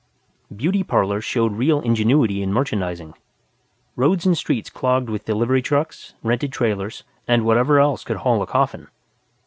Beauty parlors showed real ingenuity in merchandising. Roads and streets clogged with delivery trucks, rented trailers, and whatever else could haul a coffin.